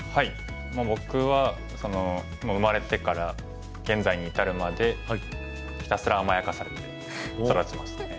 僕は生まれてから現在に至るまでひたすら甘やかされて育ちましたね。